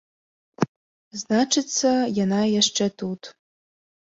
Значыцца, яна яшчэ тут.